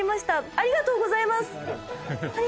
ありがとうございます。